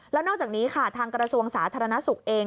แล้วนอกจากนี้ค่ะทางกระทรวงสาธารณสุขเอง